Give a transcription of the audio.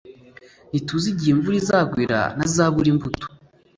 ntituzi igihe imvura izagwira ntazabura imbuto